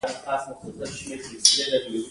د دوی له لورینې منندوی یم.